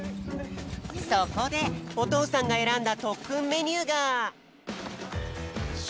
そこでおとうさんがえらんだとっくんメニューが。